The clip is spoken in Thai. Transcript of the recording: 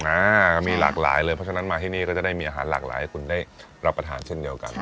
อ่าก็มีหลากหลายเลยเพราะฉะนั้นมาที่นี่ก็จะได้มีอาหารหลากหลายให้คุณได้รับประทานเช่นเดียวกัน